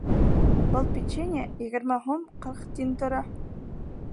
Был печенье егерме һум ҡырҡ тин тора.